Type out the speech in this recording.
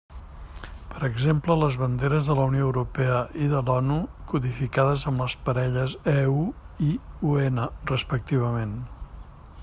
Per exemple, les banderes de la Unió Europea i de l'ONU, codificades amb les parelles EU i UN, respectivament.